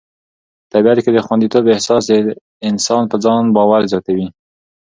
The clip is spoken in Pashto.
په طبیعت کې د خوندیتوب احساس د انسان په ځان باور زیاتوي.